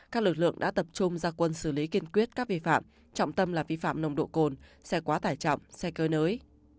các lực lượng đã tập trung ra quân xử lý kiên quyết các vi phạm trọng tâm là vi phạm nồng độ cồn xe quá tải trọng xe cơi nới